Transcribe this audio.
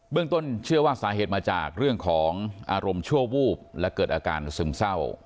ต้นเชื่อว่าสาเหตุมาจากเรื่องของอารมณ์ชั่ววูบและเกิดอาการซึมเศร้า